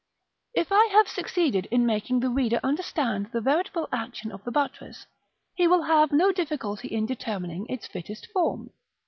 § X. If I have succeeded in making the reader understand the veritable action of the buttress, he will have no difficulty in determining its fittest form.